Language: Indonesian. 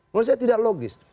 menurut saya tidak logis